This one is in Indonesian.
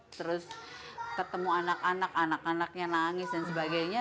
terus ketemu anak anak anak anaknya nangis dan sebagainya